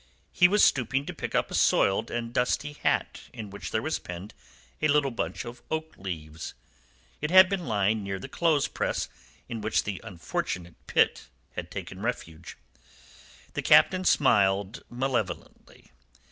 He was stooping to pick up a soiled and dusty hat in which there was pinned a little bunch of oak leaves. It had been lying near the clothes press in which the unfortunate Pitt had taken refuge. The Captain smiled malevolently.